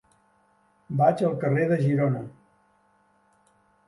Vaig al carrer de Girona.